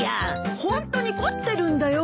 ホントに凝ってるんだよ。